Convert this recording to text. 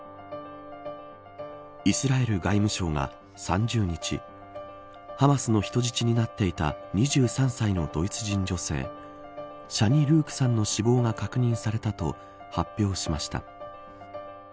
イスラエル外務省が、３０日ハマスの人質になっていた２３歳のドイツ人女性シャニ・ルークさんの死亡が確認されたと発表しました。